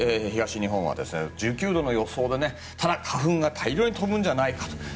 東日本は１９度の予想でただ、花粉が大量に飛ぶんじゃないかと。